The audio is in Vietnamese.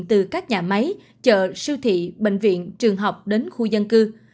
từ các nhà máy chợ siêu thị bệnh viện trường học đến khu dân cư